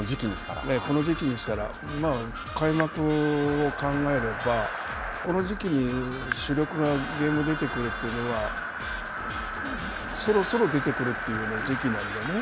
開幕を考えれば、この時期に主力がゲームに出てくるというのは、そろそろ出てくるという時期なんでね。